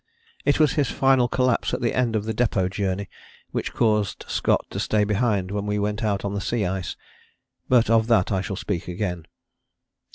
It was his final collapse at the end of the Depôt journey which caused Scott to stay behind when we went out on the sea ice. But of that I shall speak again.